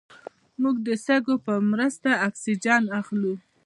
موږ د سږو په مرسته اکسیجن اخلو